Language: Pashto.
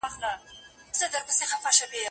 هم په ښار کي هم په کلي کي منلی